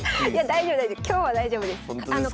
今日は大丈夫です。